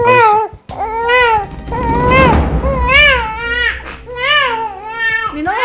kok bisa balual